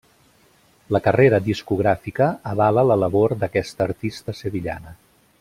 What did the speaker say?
La carrera discogràfica avala la labor d'aquesta artista sevillana.